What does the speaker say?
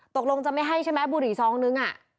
ตกลงจะไม่ให้ใช่ไหมบุหรี่ซองนึง